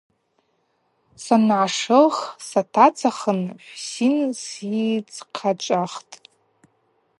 Саннашылх сатацахын Хӏвсин сйыдзхъачӏвахтӏ.